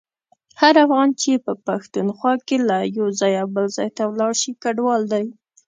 هر افغان چي په پښتونخوا کي له یو ځایه بل ته ولاړشي کډوال دی.